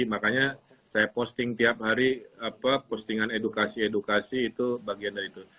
makanya saya posting tiap hari postingan edukasi edukasi itu bagian dari itu